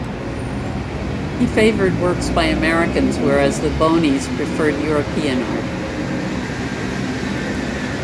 He favoured works by Americans, where as the Bonis preferred European art.